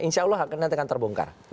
insya allah akan nantikan terbongkar